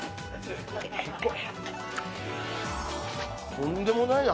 とんでもないな。